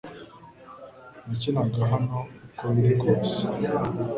Nakinaga hano uko biri kose